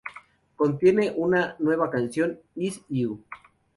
Contiene una nueva canción, "Iz U".